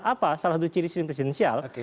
apa salah satu ciri ciri presidensial